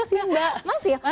iya masih mbak